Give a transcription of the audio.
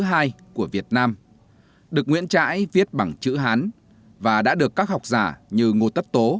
của việt nam được nguyễn trãi viết bằng chữ hán và đã được các học giả như ngô tất tố